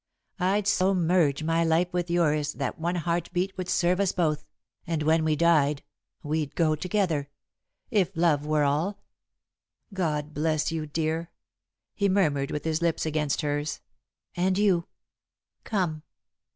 I'd so merge my life with yours that one heart beat would serve us both, and when we died, we'd go together if love were all." "God bless you, dear!" he murmured, with his lips against hers. "And you. Come."